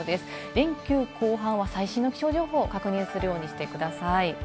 連休後半は最新の気象情報は確認するようにしてください。